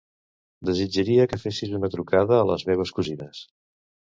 Desitjaria que fessis una trucada a les meves cosines.